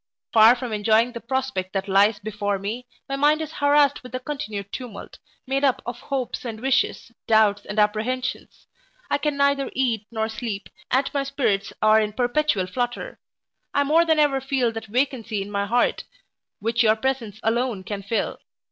Far from enjoying the prospect that lies before me, my mind is harrassed with a continued tumult, made up of hopes and wishes, doubts and apprehensions I can neither eat nor sleep, and my spirits are in perpetual flutter. I more than ever feel that vacancy in my heart, which your presence alone can fill.